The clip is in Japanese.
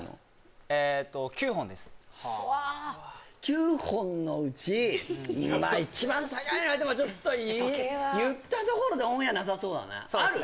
９本のうち一番高いの言われてもちょっと言ったところでオンエアなさそうだなある？